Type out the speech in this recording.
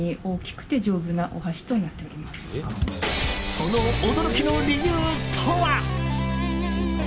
その驚きの理由とは？